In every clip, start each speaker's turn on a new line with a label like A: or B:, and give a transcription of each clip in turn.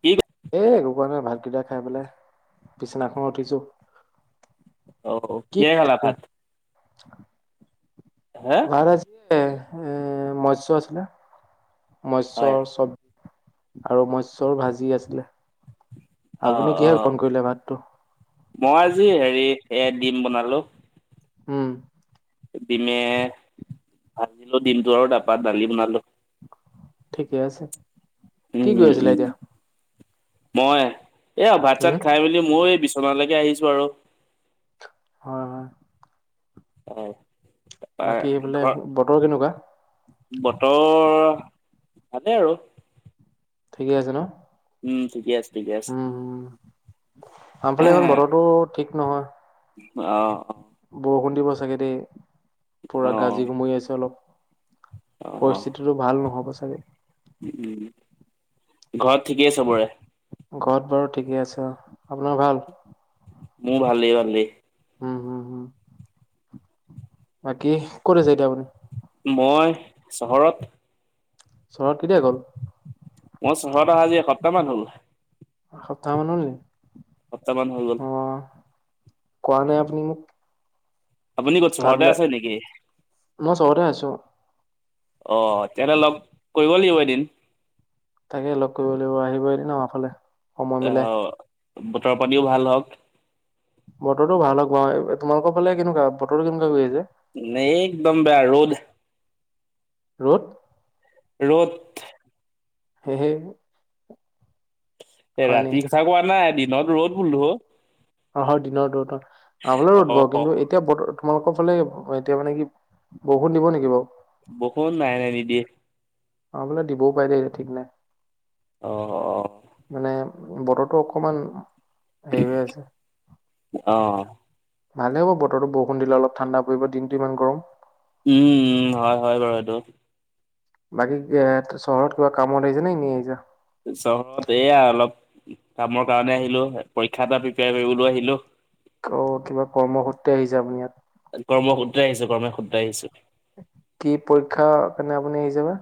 A: কি [unintelligible]
B: এ একো কৰা নাই ভাত কেইটা খাই পেলাই, বিছনাখনত উঠিছো।
A: অ',
B: কি
A: কিহেৰে
B: কৰিছা
A: খালা
B: তুমি?
A: ভাত? হা?
B: [unintelligible] এ মৎস আছিলে মৎস
A: হয়
B: চব্জি আৰু মৎস্যৰ ভাজি আছিলে। আপুনি
A: আহ,
B: কিহে
A: আহ।
B: গ্ৰহণ কৰিলে ভাতটো
A: মই আজি হেৰি এ ডিম বনালো।
B: উম।
A: ডিমে ভাজিলো ডিমটো আৰু তাৰপা দালি বনালো।
B: ঠিকেই আছে।
A: উম,
B: কি কৰি
A: উম,
B: আছিলে
A: উম,
B: এতিয়া
A: মই এয়া ভাত চাত
B: উম
A: খাই মেলি মই বি বিচনালেকে আহিছো আৰু।
B: হয়, হয়
A: হয়।
B: বাকী এইফোলে
A: ঘৰ
B: বতৰ কেনেকুৱা?
A: বতৰ ভালেই আৰু।
B: ঠিকে আছে ন'?
A: উম, ঠিকে আছে, ঠিকে আছে।
B: আমাৰফালে ইমান বতৰটো ঠিক নহয়।
A: অ'। অ
B: বৰষুণ দিব চাগে দেই,
A: অ
B: পুৰা গাজি গোমৰি আছে অলপ।
A: অ
B: পৰিস্থিতিটো ভাল নহ'ব চাগৈ।
A: উম, ঘৰত ঠিকেই চবৰে?
B: ঘৰত বাৰু ঠিকে আছে অ', আপোনাৰ ভাল?
A: মোৰ ভালে ভালে।
B: হম, হম, হু। বাকী, ক'ত আছে এতিয়া আপুনি?
A: মই চহৰত।
B: চহৰত কেতিয়া গ'ল?
A: মোৰ চহৰত অহা আজি এসপ্তাহ মান হ'ল।
B: এসপ্তাহ মান হ'ল নেকি?
A: এসপ্তাহমান হৈ গ'ল।
B: অ', কোৱা নাই আপুনি মোক।
A: আপুনি ক'ত চহৰতে
B: তালৈ
A: আছে নেকি?
B: মই চহৰতে আছো।
A: অ তেনে লগ কৰিব লাগিব এদিন।
B: তাকে লগ কৰিব লাগিব আহিবা এদিন আমাৰ ফালে। সময়
A: অ
B: মিলাই
A: বতৰ পানীও ভাল হওঁক।
B: বতৰটো ভাল হওঁক বাও। তোমালোকৰ ফালে কেনেকুৱা বতৰটো কেনেকুৱা কৰি আছে?
A: নে একদম বেয়া ৰ'দ।
B: ৰ'দ?
A: ৰ'দ।
B: [unintelligible]
A: এ
B: হয় নি
A: ৰাতি কথা কোৱা নাই দিনত ৰ'দ বোলো অ।
B: অ হয় দিনত ৰ'দ অ। আমাৰ ফালেও ৰ'দ বাও
A: অ'
B: কিন্তু এ এতিয়া বতৰ তোমালোকৰ ফালে এতিয়া মানে কি বৰষুণ দিব নিকি বাৰু?
A: বৰষুণ নাই নাই নিদিয়ে।
B: আমাৰ ফালে দিবও পাৰ দে ঠিক নাই
A: অ'
B: মানে বতৰটো অকমান হেৰি হৈ আছে।
A: অ।
B: ভালেই হ'ব বতৰটো বৰষুণ দিলে অলপ ঠাণ্ডা পৰিব দিনটো ইমান গৰম।
A: উম উম হয় হয় বাৰু সেইটো।
B: বাকী এ চহৰত কিবা কামত আহিছা নে ইনেই আহিছা?
A: চহৰত এইয়া অলপ কামৰ কাৰণে আহিলো, পৰীক্ষা এটা প্ৰিপেয়াৰ কৰিবলৈও আহিলো।
B: অ কিবা কৰ্মসূত্ৰে আহিছে আপুনি ইয়াত।
A: কৰ্মসূত্ৰে আহিছো কৰ্মসূত্ৰে আহিছো।
B: কি পৰীক্ষাৰ কাৰণে আপুনি আহিছে বা?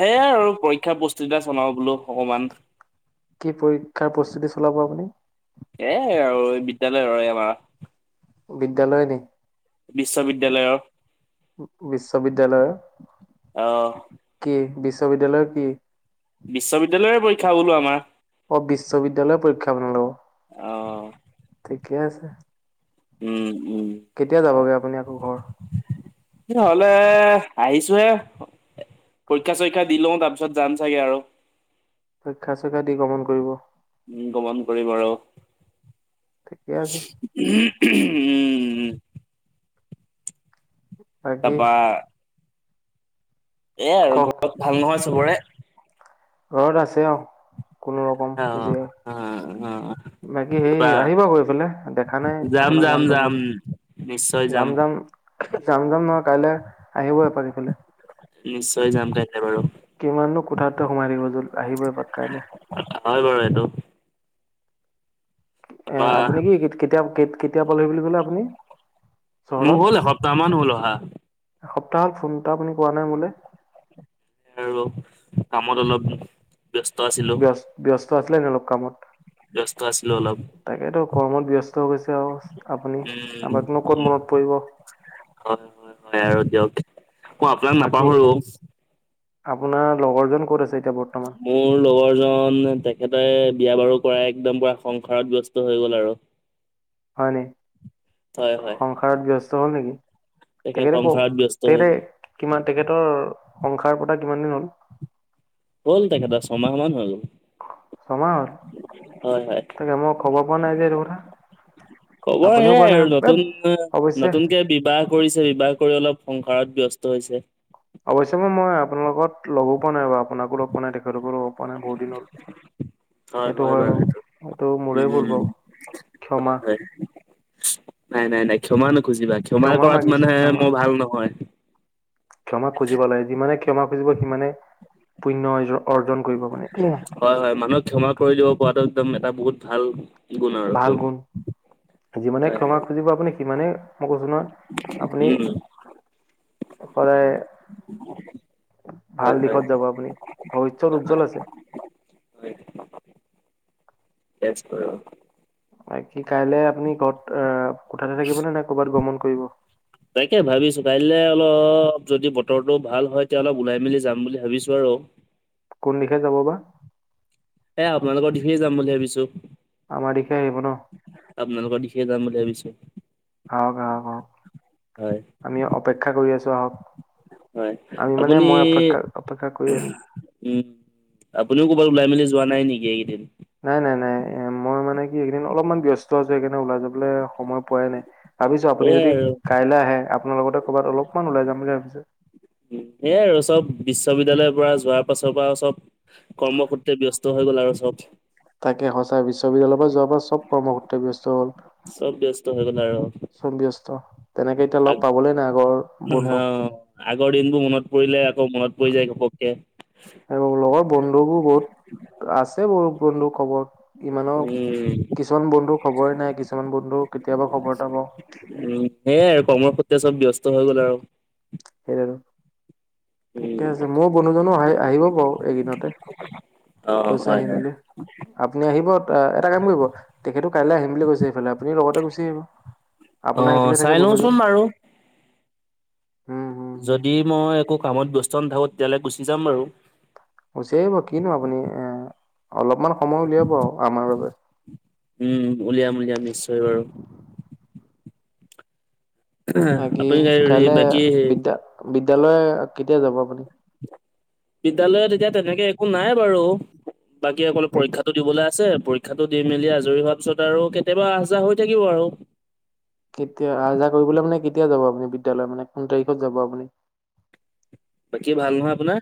A: সেইয়াই আৰু পৰীক্ষা প্ৰস্তুতি এটা চলাও বোলো অকমান।
B: কি পৰীক্ষাৰ প্ৰস্তুতি চলাব আপুনি?
A: এ আৰু এই বিদ্যালয় আৰু এই আমাৰ।
B: বিদ্যালয় নি?
A: বিশ্ববিদ্যালয়ৰ।
B: বিশ্ববিদ্যালয়ৰ।
A: অ।
B: কি বিশ্ববিদ্যালয় কি?
A: বিশ্ববিদ্যালয়ৰ পৰীক্ষা বোলো আমাৰ।
B: অ বিশ্ববিদ্যালয়ৰ পৰীক্ষা
A: আহ
B: আপোনালোকৰ ঠিকে আছে।
A: উম উম।
B: কেতিয়া যাবগে আপুনি আকৌ ঘৰ?
A: ঘৰলে আহিছোহে। পৰীক্ষা-চৰীক্ষা দি লওঁ তাৰ পিছত যাম চাগে আৰু।
B: পৰীক্ষা- চৰীক্ষা দি গমণ কৰিব?
A: উম গমণ কৰিম আৰু।
B: ঠিকে আছে।
A: উম।
B: তাকে।
A: তাৰপা এইয়া আৰু
B: কওক?
A: ঘৰত ভাল নহয় চবৰে?
B: ঘৰত আছে অ কোনোৰকম
A: অ
B: জীয়াই।
A: অ অ
B: বাকী
A: তাৰপা
B: হেৰি আহিবা এইফালে দেখা নাই
A: যাম
B: আপোনাক
A: যাম
B: মানুহটোক
A: যাম
B: বহুত দিন।
A: নিশ্চয় যাম।
B: যাম যাম নহয় কাইলে আহিব এপাক এইফালে।
A: নিশ্চয় যাম কাইলে বাৰু।
B: কিমাননো কোঠাটোতে সোমাই থাকিব আহিব এপাক কাইলে।
A: হয় বাৰু সেইটো।
B: এ
A: তাৰপা
B: আপুনি কি কেতিয়া কেতিয়া পালোহি বুলি ক'লে আপুনি চহৰত?
A: খন [unintelligible]
B: এসপ্তাহত ফোন এটা আপুনি কোৱা নাই মোলে।
A: আৰু কামত অলপ ব্যস্ত আছিলোঁ।
B: ব্যস্ত ব্যস্ত আছিলে [unintelligible] কামত।
A: ব্যস্ত আছিলোঁ অল
B: তাকেইতো কৰ্মত ব্যস্ত গৈছে আৰু আপুনি
A: উম
B: আমাকনো ক'ত
A: উম
B: মনত পৰিব।
A: হয়, হয়, হয় আৰু দিয়ক মই আপোনাক
B: বাকী
A: নাপাহৰো।
B: আপোনাৰ লগৰজন ক'ত আছে এতিয়া বৰ্ত
A: মোৰ লগৰজন তেখেতে বিয়া বাৰু কৰা একদম পুৰা সংসাৰত ব্যস্ত হৈ গ'ল আৰু।
B: হয় নি?
A: হয় হয়
B: সংসাৰত ব্যস্ত হ'ল নেকি?
A: তেখেত
B: তেখতে
A: সংসাৰত
B: ক'
A: ব্যস্ত হৈ
B: তেখেতে
A: গ'ল
B: কিমান তেখেতৰ সংসাৰ পতা কিমান দিন হ'ল?
A: হ'ল তেখেতৰ ছমাহ মান হ'ল।
B: ছমাহ হ'ল,
A: হয়
B: তাকে মই খবৰ পোৱা নাই যে এইটো কথা।
A: খবৰ
B: আপুনিও কোৱা
A: সেয়াই
B: নাই
A: আৰু
B: এ
A: নতুন
B: অৱশ্যে
A: নতুনকে বিবাহ কৰিছে, বিবাহ কৰি অলপ সংসাৰত ব্যস্ত হৈছে।
B: অৱশ্যে মই মই আপোনাৰ লগত লগো পোৱা নাই বাৰু আপোনাকো লগ পোৱা নাই তেখেতকো লগ পোৱা নাই বহুত দিন হ'ল। সেইটো হয় বাৰু এইটো
A: সেইটো
B: মোৰে ভুল
A: উম
B: বাৰু
A: হয়
B: ক্ষমা।
A: হয় নাই, নাই, নাই ক্ষমা নোখুজিবা ক্ষমা কৰাত
B: মাগিছো
A: মানে
B: ক্ষমা
A: মই ভাল নহয়।
B: ক্ষমা খুজিব লাগে, যিমানে ক্ষমা খুজিব সিমানে পুণ্য অজ-অৰ্জন কৰিব মানে।
A: হয়, হয়, মানুহক ক্ষমা কৰি দিব পৰাটো একদম এটা বহুত ভাল গুণ আৰু
B: ভাল
A: সেইটো
B: গুণ, যিমানে
A: হয়
B: ক্ষমা
A: হয়
B: খুজিব আপুনি সিমানে মই কৈছো নহয় আপুনি
A: উম
B: সদায় ভাল
A: হয় হয়
B: দিশত যাব আপুনি, ভৱিষ্যত উজ্জ্বল আছে।
A: হয় [unintelligible]
B: বাকী কাইলে আপুনি ঘৰত অহ, কোঠাতে থাকিব নে ক'বাত গমন কৰিব?
A: তাকে ভাবিছো কাইলে অলপ যদি বতৰটো ভাল হয় তেতিয়া অলপ ওলাই মেলি যাম বুলি ভাবিছো আৰু।
B: কোন দিশে যাব বা?
A: এয়া আপোনালোকৰ ডিফে যাম বুলি ভাবিছোঁ।
B: আমাৰ দিশেই আহিব ন'।
A: আপোনালোকৰ দিশে যাম বুলি ভাবিছোঁ।
B: আহক, আহক, আহক আমি অপেক্ষা কৰি আছোঁ আহক।
A: হয়,
B: আমি মানে
A: আপুনি
B: মই অপেক্ষা অপেক্ষা কৰি আছো
A: উম, আপুনিও ক'ৰবাত ওলাই মেলি যোৱা নাই নেকি এইকেইদিন?
B: নাই, নাই, নাই মই মানে কি এইকদিন অলপমান ব্যস্ত আছোঁ সেইকাৰণে ওলাই যাবলৈ সময় পোৱাই নাই। ভাবিছোঁ আপুনি
A: এয়াই
B: যদি
A: আৰু
B: কাইলৈ আহে আপোনাৰ লগতে ক'ৰবাত অলপমান ওলাই যাম বুলি ভাবিছোঁ।
A: উ, সেয়াই আৰু চব বিশ্ববিদ্যলয়ৰ পৰা যোৱাৰ পাছৰ পৰা চব কৰ্মসূত্ৰে ব্যস্ত টো হৈ গ'ল আৰু চব।
B: তাকে সঁচা বিশ্ববিদ্যালয়ৰ পৰা যোৱাৰ পৰা চব কৰ্মসূত্ৰে ব্যস্ত হ'ল।
A: চব ব্যস্ত হৈ গ'ল আৰু।
B: চম ব্যস্ত, তেনেকে এতিয়া
A: আগ
B: লগ পাবলে নাই আগৰ
A: অ
B: বন্ধুক।
A: আগৰ দিনবোৰ মনত পৰিলে আকৌ মনত পৰি যায় ঘপককে।
B: চব লগৰ বন্ধুবোৰ বহুত আছে ব-বন্ধু ক'ব। ইমানো
A: উম
B: কিছুমান বন্ধু খবৰে নাই কিছুমান বন্ধু কেতিয়াবা খবৰ এটা লওঁ।
A: উম, সেয়াই আৰু কৰ্মৰ সূত্ৰে চব ব্যস্ত হৈ গ'ল আৰু।
B: হে আৰু। ঠিকে আছে। মোৰ বন্ধুজনো আহি-আহিব বাৰু এইদিনতে,
A: অ
B: কৈছে
A: হয়
B: আহিম
A: হয়।
B: বুলি। আপুনি আহিব অ', এটা কাম কৰিব তেখেতো কাইলৈ আহিম বুলি কৈছে এইফালে আপুনি লগতে গুচি আহিব। আপোনাৰ
A: অ
B: সেইফালেই
A: চাই
B: থাকে
A: লওঁচোন
B: বন্ধুজন।
A: বাৰু
B: উম হুম হুম
A: দি মই একো কামত ব্যস্ত নাথাকোঁ তেতিয়ালৈ গুচি যাম বাৰু
B: উচব কিনো আপুনি এ অলপমান সময় উলিয়াব আৰু আমাৰ বাবে
A: উম উলিয়াম উলিয়াম নিশ্চয় বাৰু
B: বাকি
A: আপুনি হেৰি
B: কাইলে
A: বাকী
B: বিদ্া বিদ্যালয় কেতিয়া যাব আপুনি
A: বিদ্য়ালয়ত এতিয়া তেনেকে একো নাই বাৰু বাকী অকল
B: বিদ্যা
A: পৰীক্ষাতো দিবলৈ আছে পৰীক্ষাটো দি মেলি আজৰি হোৱাৰ পিছত আৰু কেতিয়াবা আহ যাহ হৈ থাকিব আৰু
B: কেতিয়া আহ যাহ কৰিবলৈ মানে কেতিয়া যাব আপুনি বিদ্যয়ালয়ত মানে কোন তাৰিখত যাব আপুনি
A: বতিে ভাল নহয় আপোনাৰ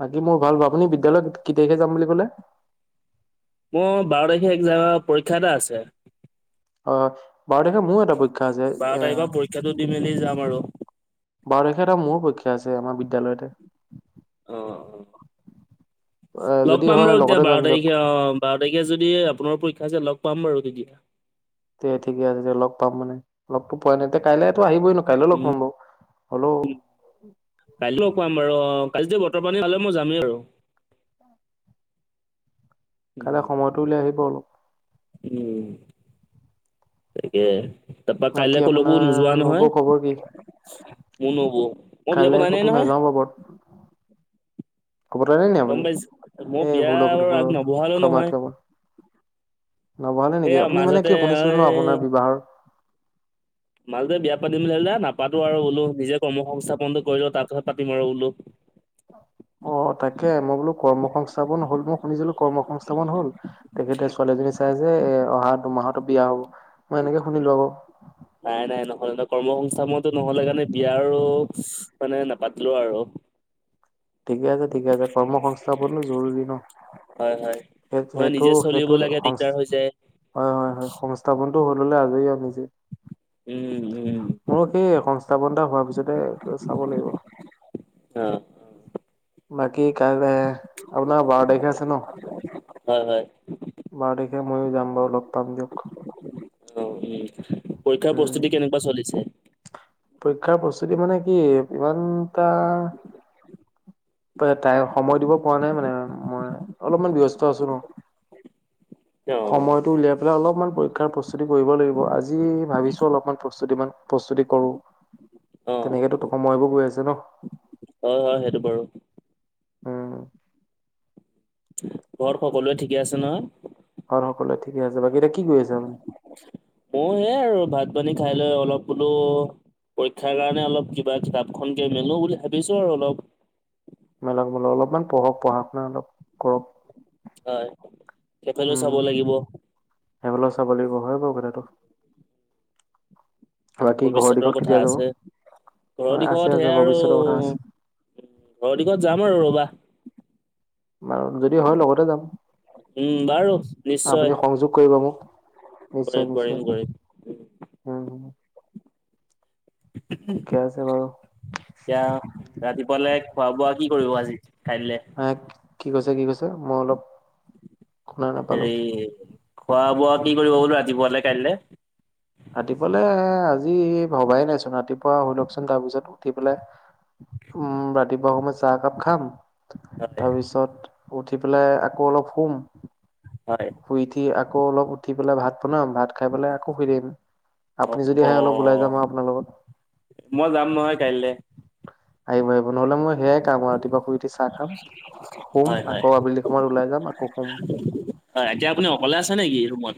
B: বাকী মোৰ ভাল প আপুনি বিদ্যালয়ত কি তাৰিখে যাম বুলি ক'লে
A: মোৰ বাৰ তাৰিখে একজ পৰীক্ষা এটা আছে
B: আহ বাৰদেশে মোৰো এটা পেক্ষা আছে
A: বাৰ
B: এ
A: তাৰিখৰ পৰীক্ষাটো দি মেলি যাম আৰু।
B: বাৰ তাৰিে এটা মোৰো পৰীা আছে আমাৰ বিদ্যালয়তে
A: অ অ
B: এ
A: লগ
B: যদি
A: পাম
B: হয়
A: ৰ এতিয়া
B: লগতে
A: বাৰ
B: যাম দিয়ক
A: তাৰিখে অ বাৰ তাৰিখে যদি আপোনাৰ পৰীক্ষা যে লগ পাম বাৰু তেতিয়া
B: তে ঠিকে আছে দে লগ পাম মানে লগতটো পোৱা নাই তে কাইলেতো আহিবই নো কাইলে লগ
A: উম
B: পাম বৌ হেল্ল'
A: কাইি লগ কাম বাৰু অ কালি যে বতৰ পানী খালে মই যামেই আৰু
B: কাইলৈ সময়টো উলিয়াই আহিব অলপ
A: উম তাকে তাৰপা
B: বাকী
A: কাইলৈ ক'লেো
B: আপোনাৰ
A: নোযোৱা
B: নবৌ
A: নহয়
B: খবৰ কি
A: মনবো মই
B: কাইলৈ
A: বিয়াব গানে
B: ক'তো
A: নহয়
B: নাযাওঁ কবৰ ল নাই ন
A: গম পাইছো মই
B: আপুনি এই
A: বিয়া
B: ভুল হক
A: বাৰু
B: ভুল
A: আগ
B: হক
A: নবহালো
B: ক্ষমা
A: নহয়
B: কপ নবহালে
A: সেয়া
B: নেকি আপুনি মানে
A: মাজতে
B: কি শুনিছিলে ন আপোনাৰ
A: এই
B: বিবাহৰ
A: মালে বিয়া পাতিম বুলি হ'লে দে নাপাতো আৰু বোলো নিজে কৰ্ম সংস্থাপনটো কৰিলো তাৰ পিছত পাতিম আৰু বোলো
B: অ তাকে মই বোলো কৰ্ম সংস্থাপন হল মই শুনিছিলো কৰ্ম সংস্থাপন হল তেখেতে ছোৱালীজনী চাই যে এ অহা দুমাহতো বিয়া হব মই এনেকে শুনিলো আকৌ
A: নাই নাই নহলে কৰ্ম সংস্থাপনো নহলে কাৰণে বিয়ো মানে নাপাতিলো আৰু
B: ঠিকে আছে ঠিকে আছে কৰ্ম সংংস্থাপনো জৰুৰী ন
A: হয় হয়
B: সেই
A: হয়
B: সেইটো
A: নিজে
B: সেইটো
A: চলিবলৈকে দিগদাৰ হৈ যায়।
B: হয় হয় হয় সংস্থাপনটো হ'ল হলে আজৰি নিজে
A: উম উম।
B: মোৰ সেই সংস্থাপন এটা হোৱাৰ পিছতে চাব লাগিব
A: অ
B: বাকী কাই আপোনাৰ বাৰ তাৰিখে আছে ন
A: হয় হয়
B: বাৰ তাৰিখে ময়ো যাম বাৰু লগ পাম দিয়ক
A: অ উম পৰীক্ষাৰ
B: উম
A: প্ৰস্তুতি কেনেকুৱা চলিছে
B: পৰীক্ষাৰ প্ৰস্তুতি মানে কি ইমানটা তাই সময় দিব পৰা নাই মানে মই অলপমান ব্যস্ত আছো ন
A: অ'।
B: সময়তটো উলিয় এইলে অলপমান পৰীক্ষাৰ প্ৰস্তুতি কৰিব লাগিব আজি ভাবিছোঁ অলপমান প্ৰস্তুতি প্ৰস্তুতি কৰো
A: অ'
B: তেনেকেতো সময়বোৰ গৈ আছে ন
A: হয় হয় সেইটো বাৰু
B: উম
A: ঘৰত সকলোৱে ঠিকে আছে নহয়
B: হয়ৰ সকলোৱে ঠিকে আছে বাকী এতিয়া কি কৰিৈ আছে মানে
A: অ সেয়াই আৰু ভাত পানী খাই লৈ অলপ বোলো পৰীক্ষাৰ কাৰণে অলপ কিবা কিতাপখনকে মেলো বুলি ভাবিছো আৰু অলপ
B: মেলা মেলক অলপমান পঢ়ক পঢ়া শুনা অলপ কৰক
A: হয় কেেপেলো চাব লাগিব
B: সেইবেল চাব লাগিব হয় বাৰু কথাাতটো বাকী ঘৰৰ
A: ভৱিষ্যতৰ
B: দিশত
A: কথা
B: কেতিয়া যাব
A: আছে ঘৰৰ
B: অ', আছে
A: দিশত সে
B: আছে
A: আৰু
B: ভৱিষ্যতৰ কথা আছে
A: [unintelligible] যাম আৰু ৰবা।
B: ম যদি হয় লগতে যাম
A: উম বাৰু নিশ্চয়
B: আপুনি সংযোগ কৰিব মোক। নিশ্চয়,
A: কৰিম কৰিম
B: নিশ্চয়
A: কৰিম।
B: উম হু।
A: এতিয়া ৰাতি ফালে খোৱা বোৱা কি কৰিব আজি খাইলে।
B: হে কি কৈছে, কি কৈছে, মই অলপ শুনা নাপালো
A: হেৰি খোৱা বোৱা কি কৰিব বোলো ৰাতিপুৱালৈ কাইলৈ
B: ৰাতিপুৱালে আজি ভবাই নাইচোন ৰাতিপুৱা শহৈ লওকচোন তাৰপিছত উঠি পেলাই উম ৰাতিপুৱা সময় চাহ একাপ খাম
A: হয়
B: তাৰপিছত উঠি পেলাই আকৌ অলপ শুম।
A: হয় [unintelligible]
B: শুই উঠি আকৌ অলপ উঠি পেলাই ভাত বনাম ভাত খাই পেলাই আকৌ শুই দিম।
A: অ
B: আপুনি যদি আহে অলপ ওলাই যাম আৰু আপোনাৰ লগত।
A: মই যাম নহয় কাইলে
B: আহিব আহিব নহ'লে মই সেয়াই খাম আৰু ৰাতিপুৱা শুই উঠি চাহ খাম শুম
A: হয় হয়
B: আকৌ আবেলি সময়ত ওলাই যাম আকৌ শুম।
A: হয়, এতিয়া আপুনি অকলে আছে নেকি ৰুমত।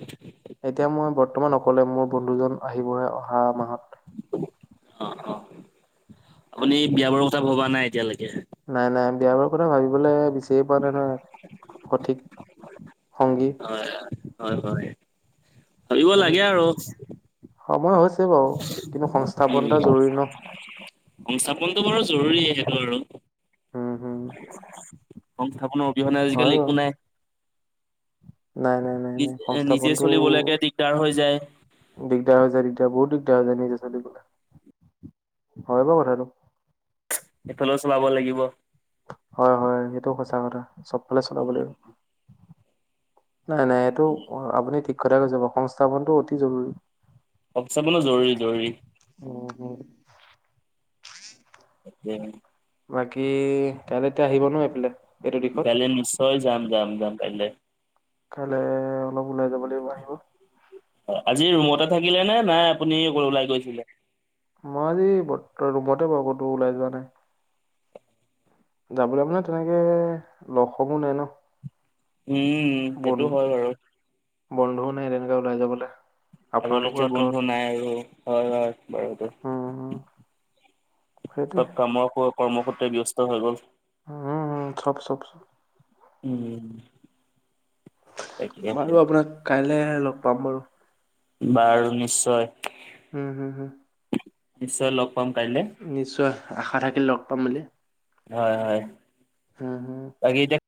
B: এতিয়া মই বৰ্তমান অকলে মোৰ বন্ধুজন আহিবহে অহা মাহত।
A: অ', অ', আপুনি বিয়া বাৰু কথা ভবা নাই এতিয়ালৈকে।
B: নাই, নাই বিয় বাৰু কথা ভাবিবলৈ বেছিয়ে পোৱা নাই নহয় সঠিক সংগী।
A: হয়, হয়, হয়, হয় ভাবিব লাগে আৰু।
B: সময় হৈছে বাৰু কিন্তু সংস্থাপন এটা জৰুৰী ন।
A: সংস্থাপনতটো বাৰু জৰুৰী সেইটো আৰু।
B: উম, হম।
A: সংস্থাপনৰ অবিহনে
B: হয়
A: আজিকালি
B: বাৰু।
A: একো নাই।
B: নাই, নাই। নাই
A: নিজ,
B: নাই
A: নিজে
B: সংস্থাপনটো
A: চলিবলৈকে দিগদাৰ হৈ যায়।
B: দিগদাৰ যায় দিগদাৰ বহুত দিগদাৰ হৈ যায় নিজে ছোৱালী বোলা হয় বাৰু কথাটো।
A: এইফালেও চলাব লাগিব।
B: হয়, হয় সেইটো সঁচা কথা চবফালে চলাব
A: উম
B: লাগিব। নাই নাই এইটো আপুনি ঠিক কথা কৈছে বাৰু সংস্থাপনটো অতি জৰুৰী।
A: অফচাবনো জৰুৰী, জৰুৰী।
B: উম, হম।
A: উম।
B: বাকী কাইলৈ এতিয়া আহিব ন এইফালে। এইটো দিশত
A: কাইলৈ নিশ্চয় যাম, যাম, যাম কাইলে।
B: কাইলে অলপ ওলাই যাব লাগিব আহিব।
A: আজি ৰুমতে থাকিলে নে নাই আপুনি ওলাই গৈছিলে।
B: মই আজি ৰুমতে প বৰ্ত কতো ওলাই যোৱা নাই। যাবলৈ মানে তেনেকে লগ সমো নাই ন।
A: উম
B: বন
A: সেইটো হয় বাৰু।
B: বন্ধুও নাই তেনেকে ওলাই যাবলৈ।
A: আগৰ
B: আপোনালোকৰ
A: লেখীয়া
B: আঁতৰত
A: বন্ধু নাই আৰু, হয়, হয়
B: উম, উম,
A: বাৰু।
B: সেইটোৱে
A: চব কামৰ কৰ্ম সূত্ৰে ব্যস্ত হৈ গ'ল।
B: উ উম উ চপ, চপ চ।
A: উম।
B: বাৰু
A: তাকে
B: আপোনাক কাইলৈ লগ পাম বাৰু।
A: বাৰু নিশ্চয়।
B: উম, হুম, হুম।
A: নিশ্চয় লগ পাম কাইলে।
B: নিশ্চয়, আশা থাকিল লগ পাম বুলি।
A: হয় হয়। বাকি এতিয়া